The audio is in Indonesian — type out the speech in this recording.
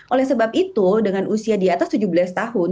oleh sebab itu dengan usia di atas tujuh belas tahun